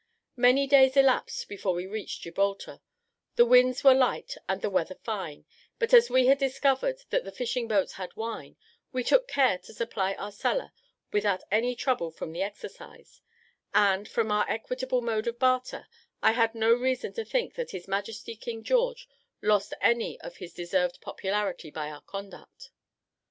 Many days elapsed before we reached Gibraltar: the winds were light, and the weather fine; but as we had discovered that the fishing boats had wine, we took care to supply our cellar without any trouble from the excise; and, from our equitable mode of barter, I had no reason to think that his Majesty King George lost any of his deserved popularity by our conduct.